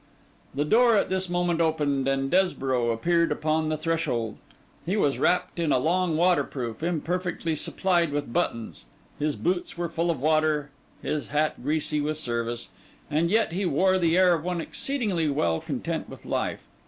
The door at this moment opened, and Desborough appeared upon the threshold. He was wrapped in a long waterproof, imperfectly supplied with buttons; his boots were full of water, his hat greasy with service; and yet he wore the air of one exceeding well content with life.